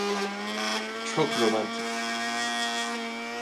Çok romantik.